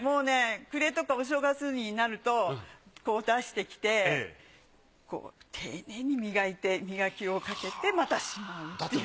暮れとかお正月になると出してきて丁寧に磨いて磨きをかけてまたしまう。